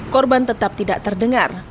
korban tetap tidak terdengar